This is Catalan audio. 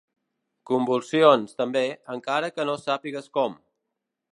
Combustions, també, encara que no sàpigues com.